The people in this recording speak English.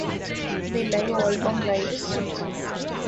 The live album Live.